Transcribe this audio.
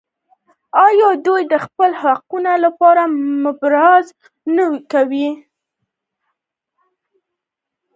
آیا دوی د خپلو حقونو لپاره مبارزه نه کوي؟